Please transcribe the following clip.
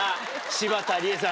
柴田理恵さん